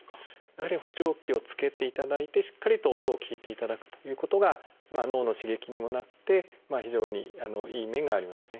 やはり補聴器を着けていただいてしっかりと音を聞いていただくということが脳の刺激にもなって非常にいい面がありますね。